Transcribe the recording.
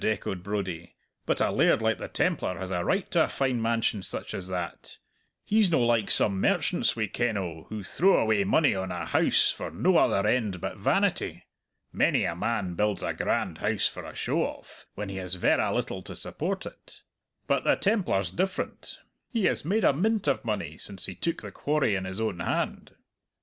echoed Brodie. "But a laird like the Templar has a right to a fine mansion such as that! He's no' like some merchants we ken o' who throw away money on a house for no other end but vanity. Many a man builds a grand house for a show off, when he has verra little to support it. But the Templar's different. He has made a mint of money since he took the quarry in his own hand."